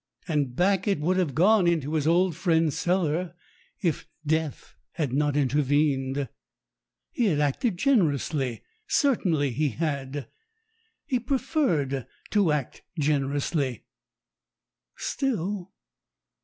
And back it would have gone into his old friend's cellar if death had not intervened. He had acted generously, certainly he had. He pre ferred to act generously. Still